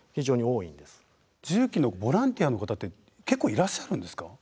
重機のボランティアの方って結構いらっしゃるんですか？